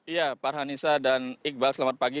iya farhanisa dan iqbal selamat pagi